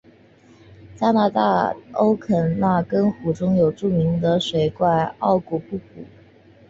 加拿大欧肯纳根湖中有著名的水怪奥古布古。